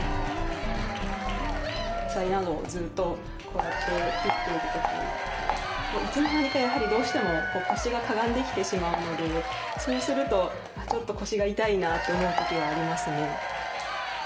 野菜などをずっとこうやって切っている時いつの間にかやはりどうしても腰がかがんできてしまうのでそうするとちょっと腰が痛いなと思う時はありますね。